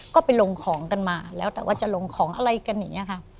ก็ไปลงของกันมาแล้วแต่ว่าจะลงของอะไรกันอย่างนี้ค่ะ